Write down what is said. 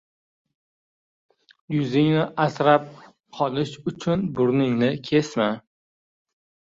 • Yuzingni asrab qolish uchun burningni kesma.